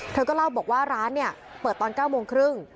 เธอก็เล่าบอกว่าร้านเนี่ยเปิดตอน๙โมงครึ่ง